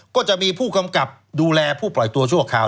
ก็จะมีผู้กำกับดูแลผู้ปล่อยตัวชั่วคราว